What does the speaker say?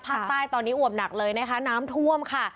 ภาคใต้ตอนนี้อวบหนักเลยนะคะน้ำท่วมค่ะ